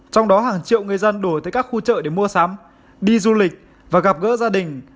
trong đó hàng triệu người dân đổi tới các khu chợ để mua sắm đi du lịch và gặp gỡ gia đình